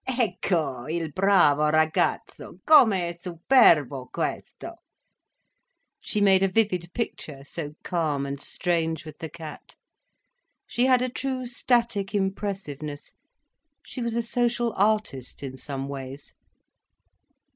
"Ecco, il bravo ragazzo, com' è superbo, questo!" She made a vivid picture, so calm and strange with the cat. She had a true static impressiveness, she was a social artist in some ways.